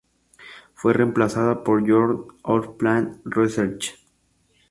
Fue reemplazada por "Journal of Plant Research".